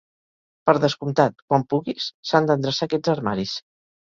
Per descomptat, quan puguis, s'han d'endreçar aquests armaris.